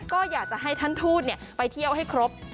ก็อยากจะให้ท่านทูตไปเที่ยวให้ครบ